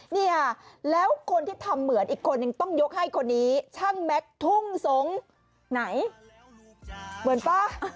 เนี่ยแล้วคนที่ทำเหมือนอีกคนนึงต้องยกให้คนนี้ช่างแม็กซ์ทุ่งสงศ์ไหนเหมือนป่ะ